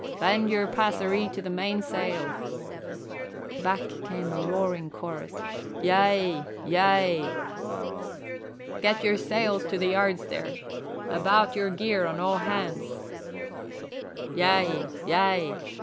"Bend your passeree to the mainsail!" Back came a roaring chorus, "Yea, yea!" "Get your sails to the yards there about your gear on all hands!" "Yea, yea!"